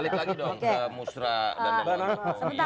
balik lagi dong ke musra dan bapak